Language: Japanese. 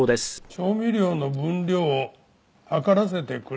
「調味料の分量を量らせてくれ？」